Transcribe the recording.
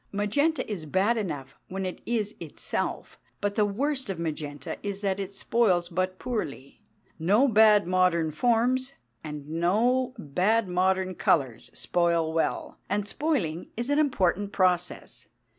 Magenta is bad enough when it is itself; but the worst of magenta is that it spoils but poorly. No bad modern forms and no bad modern colours spoil well. And spoiling is an important process.